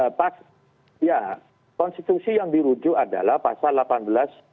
ya konstitusi yang dirujuk adalah pasal delapan belas b